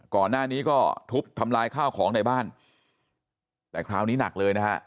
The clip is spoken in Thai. ก่อนหน้านี้ก็ทุบทำลายข้าวของในบ้านแต่คราวนี้หนักเลยนะฮะ